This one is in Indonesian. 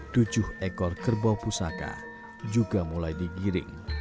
tujuh ekor kerbau pusaka juga mulai digiring